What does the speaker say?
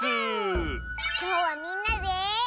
きょうはみんなで。